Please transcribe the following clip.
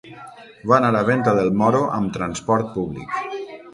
Va anar a Venta del Moro amb transport públic.